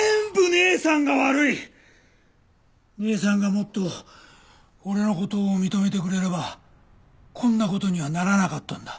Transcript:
姉さんがもっと俺の事を認めてくれればこんな事にはならなかったんだ。